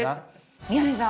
宮根さん